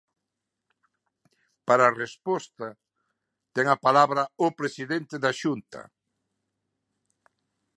Para resposta, ten a palabra o presidente da Xunta.